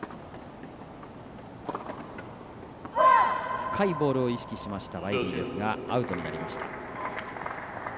深いボールを意識しましたワイリーですがアウトになりました。